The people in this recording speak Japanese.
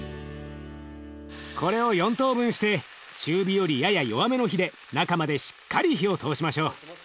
これを４等分して中火よりやや弱めの火で中までしっかり火を通しましょう。